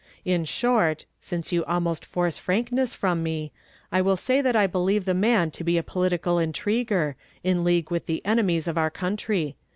In short, since you almost force frankness from me, I will say that 1 believe the man to be a political intriguer, in league u ith the enemies of our country.